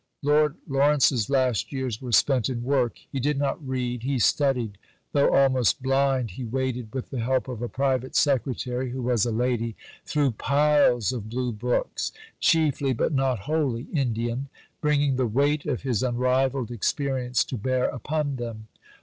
Lord Lawrence's last years were spent in work: he did not read, he studied; though almost blind, he waded with the help of a Private Secretary (who was a lady) thro' piles of blue books chiefly, but not wholly Indian bringing the weight of his unrivalled experience to bear upon them.